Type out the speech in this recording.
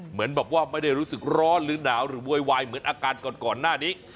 เหมือนแบบว่าไม่ได้รู้สึกร้อนหรือหนาวหรือโวยวายเหมือนอาการก่อนหน้านี้